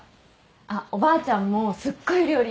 あっおばあちゃんもすっごい料理喜んでたし。